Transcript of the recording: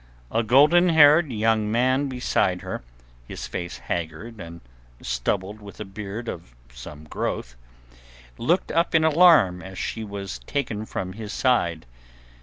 A golden haired young man beside her, his face haggard and stubbled with a beard of some growth, looked up in alarm as she was taken from his side.